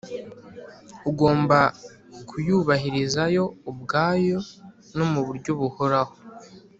Ugomba kuyubahiriza yo ubwayo no mu buryo buhoraho